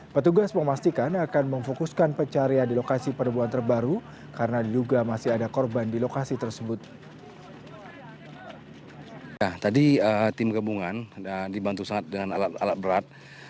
petugas memastikan akan memfokuskan pencarian di lokasi penemuan terbaru karena diduga masih ada korban di lokasi tersebut